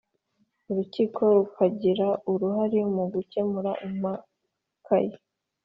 Urukiko rukagira uruhare mu gukemura impakai